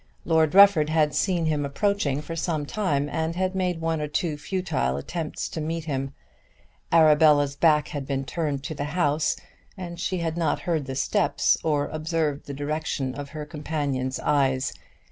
Lord Rufford had seen him approaching for some time, and had made one or two futile attempts to meet him. Arabella's back had been turned to the house, and she had not heard the steps or observed the direction of her companion's eyes.